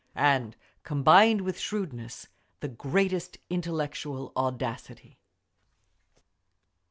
And combined with shrewdness, the greatest intellectual audacity.